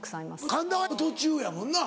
神田は途中やもんな。